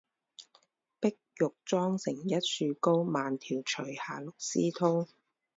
碧玉妆成一树高，万条垂下绿丝绦